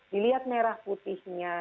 dilihat merah putihnya